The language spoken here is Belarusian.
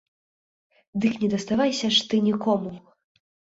Дык не даставайся ж ты нікому!